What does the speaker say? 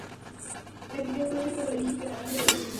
Me pidió el coche pero le dije que naranjas de la China